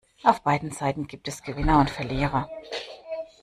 Auf beiden Seiten gibt es Gewinner und Verlierer.